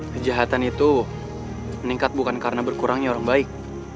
kejahatan itu meningkat bukan karena berkurangnya orang baik